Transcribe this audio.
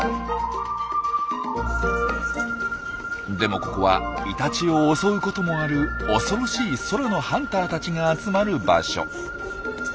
でもここはイタチを襲うこともある恐ろしい空のハンターたちが集まる場所。